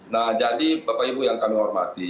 nah jadi bapak ibu yang kami hormati